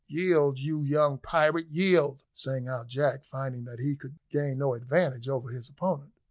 "Yield, you young pirate, yield!" sang out Jack, finding that he could gain no advantage over his opponent.